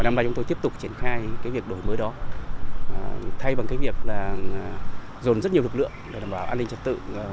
năm nay chúng tôi tiếp tục triển khai việc đổi mới đó thay bằng việc dồn rất nhiều lực lượng để đảm bảo an ninh trật tự